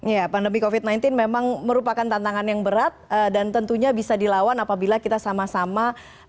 ya pandemi covid sembilan belas memang merupakan tantangan yang berat dan tentunya bisa dilawan apabila kita sama sama